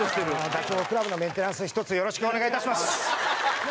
ダチョウ倶楽部のメンテナンス一つよろしくお願いいたします。